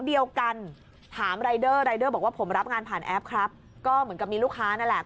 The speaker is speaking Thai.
เดียวกันถามรายเดอร์รายเดอร์บอกว่าผมรับงานผ่านแอปครับก็เหมือนกับมีลูกค้านั่นแหละ